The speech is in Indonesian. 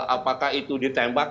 apakah itu ditembak